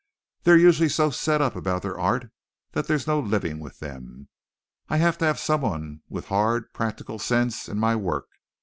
"They're usually so set up about their art that there's no living with them. I have to have someone with hard, practical sense in my work.